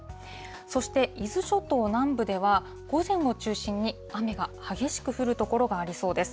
そして伊豆諸島南部では、午前を中心に雨が激しく降る所がありそうです。